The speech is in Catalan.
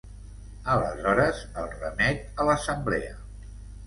Aleshores, el remet a l'Assemblea.